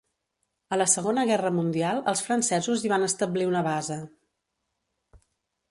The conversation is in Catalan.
A la segona guerra mundial els francesos hi van establir una base.